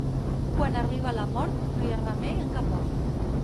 Quan arriba la mort no hi ha remei en cap hort.